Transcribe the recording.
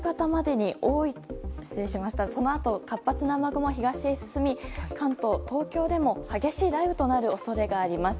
そのあと活発な雨雲は東へ進み関東、東京でも激しい雷雨となる恐れがあります。